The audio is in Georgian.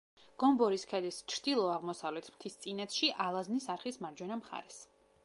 გომბორის ქედის ჩრდილო-აღმოსავლეთ მთისწინეთში, ალაზნის არხის მარჯვენა მხარეს.